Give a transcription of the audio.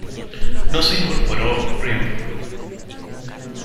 No se incorporó, reempl.